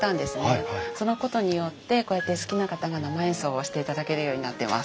そのことによってこうやって好きな方が生演奏をしていただけるようになってます。